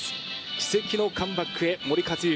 奇跡のカムバックへ、森且行。